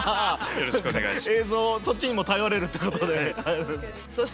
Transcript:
よろしくお願いします。